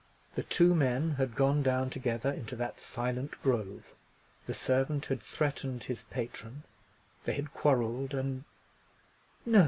The two men had gone down together into that silent grove, the servant had threatened his patron, they had quarrelled, and— No!